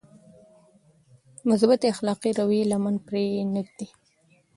مثبتې اخلاقي رويې لمنه پرې نهږدي.